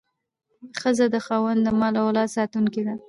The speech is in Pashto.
ښځه د خاوند د مال او اولاد ساتونکې ده.